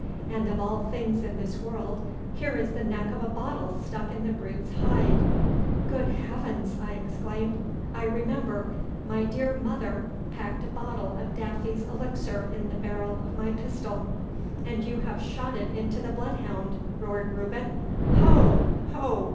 And of all things in this world, here is the neck of a bottle stuck in the brute's hide!' 'Good heavens!' I exclaimed. 'I remember. My dear mother packed a bottle of Daffy's elixir in the barrel of my pistol.' 'And you have shot it into the bloodhound!' roared Reuben. 'Ho! ho!